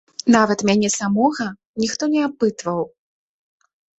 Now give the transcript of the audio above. Нават мяне самога ніхто не апытваў.